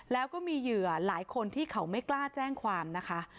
แล้วก็มีเหยื่อหลายคนที่เขาไม่กล้าแจ้งความนะคะ